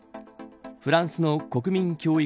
フランスの国民教育